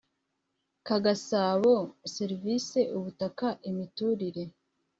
KA GASABO SERIVISI UBUTAKA IMITURIRE